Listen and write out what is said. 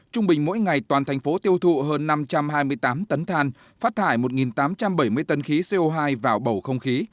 trung bình mỗi ngày toàn thành phố tiêu thụ hơn năm trăm hai mươi tám tấn than phát thải một tám trăm bảy mươi tấn khí co hai vào bầu không khí